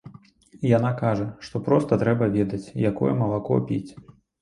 Яна кажа, што проста трэба ведаць, якое малако піць.